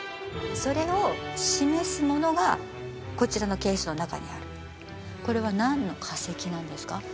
それを示すものがこちらのケースの中にあるこれは何の化石なんですか？